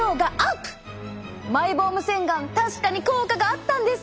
マイボーム洗顔確かに効果があったんです！